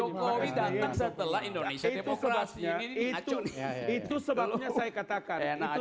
jokowi datang setelah indonesia tepok ras ini